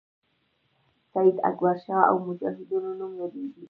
سید اکبرشاه او مجاهدینو نوم یادیږي.